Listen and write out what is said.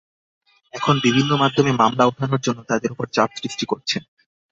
এখন বিভিন্ন মাধ্যমে মামলা ওঠানোর জন্য তাঁদের ওপর চাপ সৃষ্টি করছেন।